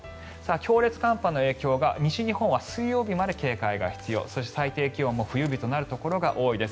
強烈寒波の影響が西日本は水曜日まで警戒が必要そして最低気温も冬日となるところが多いです。